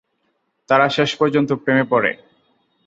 তারা শেষ পর্যন্ত প্রেমে পড়ে।